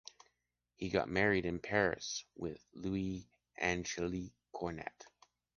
He got married in Paris with Louise Angélique Cornet.